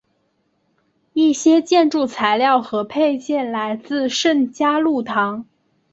一些建筑材料和配件来自圣嘉禄堂。